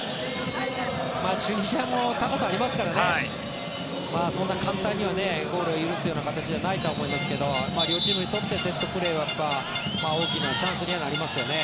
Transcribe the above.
チュニジアも高さがありますからそんな簡単にはゴールを許すような形じゃないと思いますが両チームにとってセットプレーは大きなチャンスにはなりますよね。